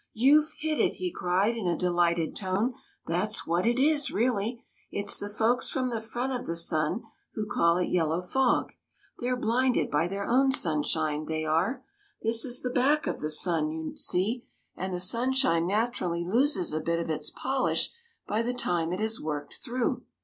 " You 've hit it !" he cried in a delighted tone ;" that 's what it is really. It 's the folks from the front of the sun who call it yellow fog; they're blinded by their own sunshine, THE MAGICIAN'S TEA PARTY 43 they are. This is the back of the sun, you see, and the sunshine naturally loses a bit of its polish by the time it has worked through."